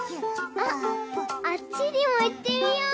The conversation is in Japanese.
あっあっちにもいってみよう！